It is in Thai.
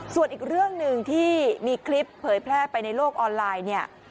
ส่วนอีกเรื่องหนึ่งที่มีคลิปเผยแพร่ไปในโลกออนไลน์เนี่ย